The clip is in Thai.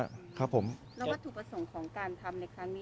แล้วก็ถูกประสงค์ของการทำในครั้งนี้